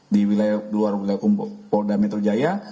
di luar wilayah hukum polda metro jaya